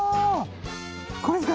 これっすか？